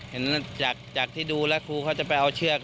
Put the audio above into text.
จากที่ดูแล้วครูเขาจะไปเอาเชือก